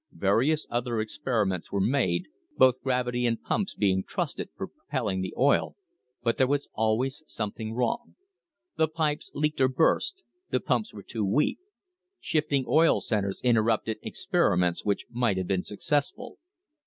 Various other experiments were made, both gravity and pumps being trusted for propelling the oil, but there was always something wrong; the pipes leaked or burst, the pumps were too weak; shifting oil centres interrupted experi ments which might have been successful.